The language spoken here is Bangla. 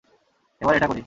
এবার এটা করি।